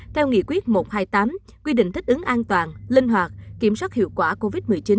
theo nghị quyết một trăm hai mươi tám quy định thích ứng an toàn linh hoạt kiểm soát hiệu quả covid một mươi chín